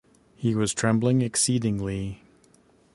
He was trembling exceedingly.